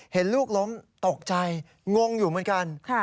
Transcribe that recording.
เห็นลูกล้มตกใจงงอยู่เหมือนกัน